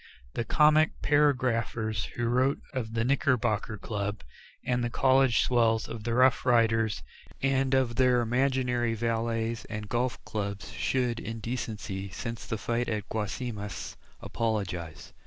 The comic paragraphers who wrote of the members of the Knickerbocker Club and the college swells of the Rough Riders and of their imaginary valets and golf clubs, should, in decency, since the fight at Guasimas apologize.